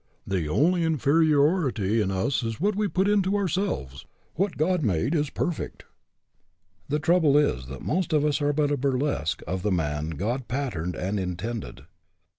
The only inferiority in us is what we put into ourselves. , What God made is perfect. The trouble is that most of us are but a burlesque of the man God pat io HE CAN WHO THINKS HE CAN terned and intended.